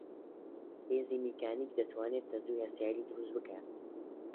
هێزی میکانیک دەتوانێت تەزووی هەستیاری دروست بکات